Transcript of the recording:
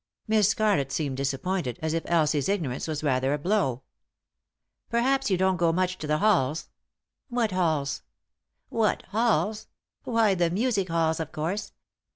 Miss Scarlett seemed disappointed, as if Elsie's ignor ance was rather a Wow. " Perhaps you don't go much to the halls ?" "What halls?" " What balls ? Why, the music halls, of course.